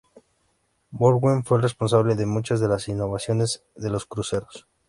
Norwegian fue el responsable de muchas de las innovaciones de los cruceros actuales.